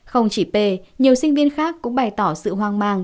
không chỉ p nhiều sinh viên khác cũng bày tỏ sự hoang mang